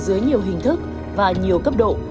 dưới nhiều hình thức và nhiều cấp độ